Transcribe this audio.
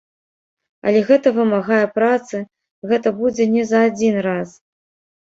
Але гэта вымагае працы, гэта будзе не за адзін раз.